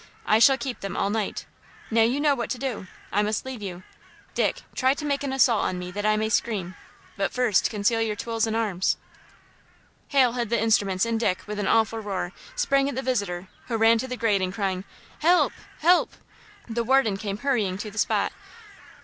I shall keep them all night! Now you know what to do! I must leave you! Dick, try to make an assault on me that I may scream, but first conceal your tools and arms!" Hal hid the instruments and Dick, with an awful roar, sprang at the visitor, who ran to the grating crying: "Help–help!" The warden came hurrying to the spot.